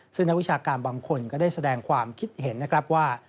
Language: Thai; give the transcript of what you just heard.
ซึ่งนักวิชาการบางคนก็ได้แสดงความคิดเห็นนะครับว่า